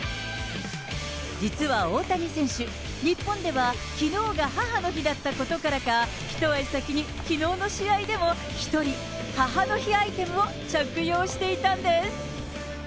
実は大谷選手、日本ではきのうが母の日だったことからか、一足先にきのうの試合でも一人、母の日アイテムを着用していたんです。